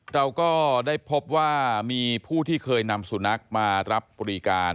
เราก็ได้พบว่ามีผู้ที่เคยนำสุนัขมารับบริการ